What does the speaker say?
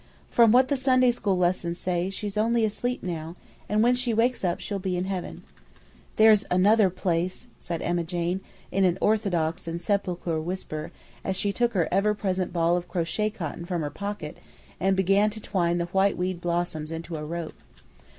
From what the Sunday school lessons say, she's only asleep now, and when she wakes up she'll be in heaven." "THERE'S ANOTHER PLACE," said Emma Jane, in an orthodox and sepulchral whisper, as she took her ever present ball of crochet cotton from her pocket and began to twine the whiteweed blossoms into a rope.